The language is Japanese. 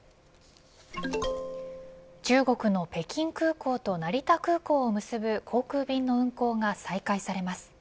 中国の北京空港と成田空港を結ぶ航空便の運航が再開されます。